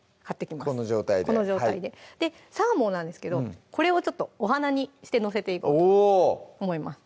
この状態でこの状態でサーモンなんですけどこれをちょっとお花にして載せていこうと思います